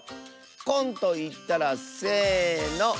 「こん」といったらせの。